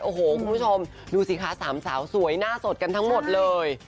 โอ้โหคุณผู้ชมดูสิคะสามสาวสวยหน้าสดกันทั้งหมดเลย